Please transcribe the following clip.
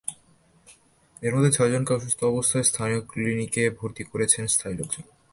এর মধ্যে ছয়জনকে অসুস্থ অবস্থায় স্থানীয় ক্লিনিকে ভর্তি করেছেন স্থানীয় লোকজন।